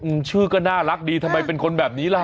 ชื่อก็น่ารักดีทำไมเป็นคนแบบนี้ล่ะ